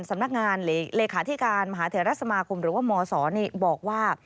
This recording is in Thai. สำนักงานหรือเหลขาที่การมหาเถียรสมาคมหรือว่ามศบอกว่า